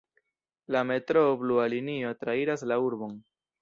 La metroo "Blua Linio" trairas la urbon.